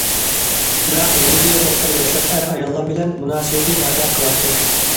بىراق يېنىدىكى ئوتتۇرا ياشلىق ئەر ئاياللار بىلەن مۇناسىۋىتى باردەك قىلاتتى.